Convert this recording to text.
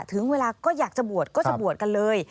ถึงเวลาก็อยากจะบวชก็จะบวชกันเลย